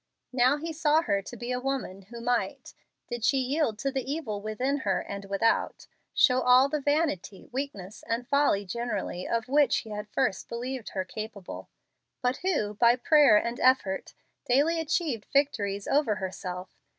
Now he saw her to be a woman who might, did she yield to the evil within her and without, show all the vanity, weakness, and folly generally, of which he had at first believed her capable, but who, by prayer and effort, daily achieved victories over herself.